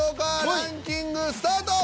ランキングスタート！